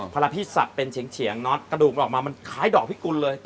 เวลาพี่สับเป็นเฉียงน็อตกระดูกมันออกมามันคล้ายดอกพิกุลเลย